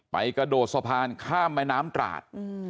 ไปกระดดสะพานทหารคามน้ำตลาด